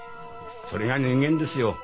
それが人間ですよ。